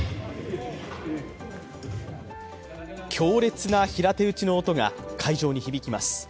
強烈な平手打ちの音が会場に響きます。